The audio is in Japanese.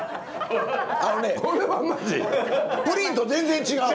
プリンと全然違う。